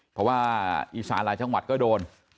เพราะว่าอิสละชาวรากล์ชะวัดก็โดน